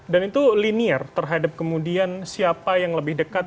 dan itu linear terhadap kemudian siapa yang lebih dekat